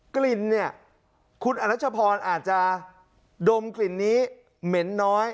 กลิ่นเนี่ยคุณอรัชพรอาจจะดมกลิ่นนี้เหม็นน้อย